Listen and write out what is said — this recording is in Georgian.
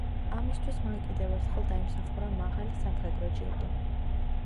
ამისთვის მან კიდევ ერთხელ დაიმსახურა მაღალი სამხედრო ჯილდო.